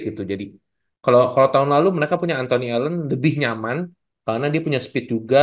gitu jadi kalau tahun lalu mereka punya anthony ellen lebih nyaman karena dia punya speed juga